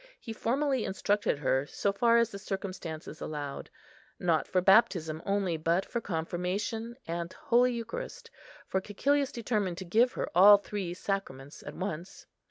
He formally instructed her so far as the circumstances allowed. Not for baptism only, but for confirmation, and Holy Eucharist; for Cæcilius determined to give her all three sacraments at once.